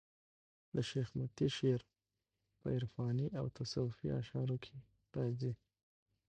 د شېخ متي شعر په عرفاني او تصوفي اشعارو کښي راځي.